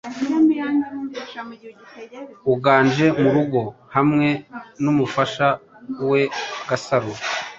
uganje mu rugo hamwe n’umufasha we Gasaro.